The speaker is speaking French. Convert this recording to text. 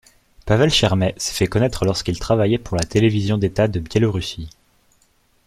Pavel Cheremet s'est fait connaître lorsqu'il travaillait pour la télévision d'État de Biélorussie.